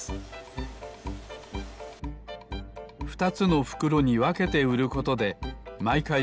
２つのふくろにわけてうることでまいかい